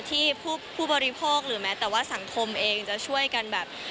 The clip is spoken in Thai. ที่ผู้บริโภคหรือแม้แต่ว่าสังคมเองจะช่วยกันแบบ